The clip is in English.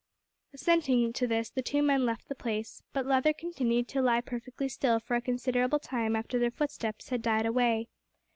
Assenting to this the two men left the place, but Leather continued to lie perfectly still for a considerable time after their footsteps had died away.